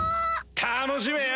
楽しめよ！